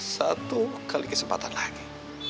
satu kali kesempatan lagi